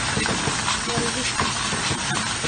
¿No han visitado ellas?